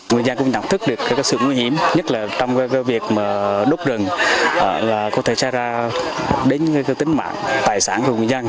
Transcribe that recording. người dân cũng nhận thức được sự nguy hiểm nhất là trong việc đốt rừng